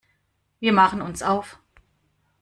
Wir machen uns auf.